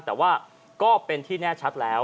แต่ว่าก็เป็นที่แน่ชัดแล้ว